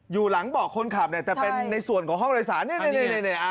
อยู่หลังเบาะคนขับแต่เป็นในส่วนของห้องรายสาร